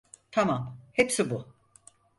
Tamam, hepsi bu.